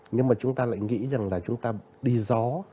nhưng mà chúng ta lại nghĩ rằng là chúng ta đi gió